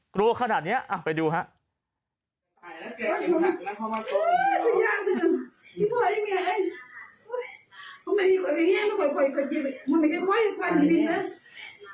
กลัวขนาดนี้ไปดูครับ